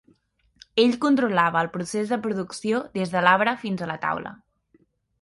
Ell controlava el procés de producció des de l'arbre fins a la taula.